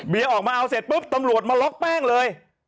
ออกมาเอาเสร็จปุ๊บตำรวจมาล็อกแป้งเลย